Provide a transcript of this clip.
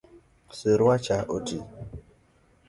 Siruacha oti